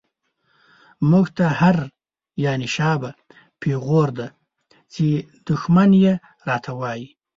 موږ ته هر” شا به” پيغور دی، چی دښمن يې را ته وايې